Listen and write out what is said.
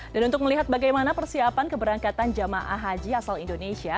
dan untuk melihat bagaimana persiapan keberangkatan jamaah haji asal indonesia